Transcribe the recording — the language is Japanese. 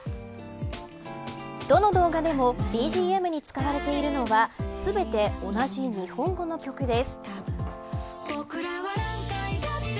どの動画でもＢＧＭに使われているのが全て同じ日本語の曲です。